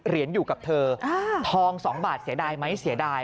อยู่กับเธอทอง๒บาทเสียดายไหมเสียดาย